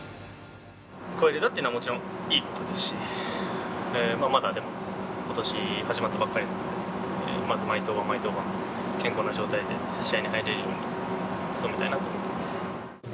超えれたっていうのはもちろんいいことですし、まだ、ことし始まったばっかりなんで、まず毎登板毎登板、健康な状態で試合に入れるように努めたいなと思ってます。